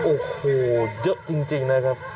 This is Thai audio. โอ้โหเยอะจริงนะครับ